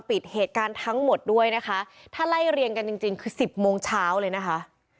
ปิดเหตุการณ์ทั้งหมดด้วยนะคะถ้าไล่เรียงกันจริงจริงคือสิบโมงเช้าเลยนะคะ